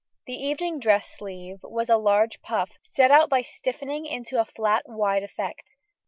The evening dress sleeve was a large puff, set out by stiffening to a flat wide effect.